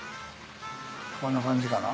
こんな感じかな？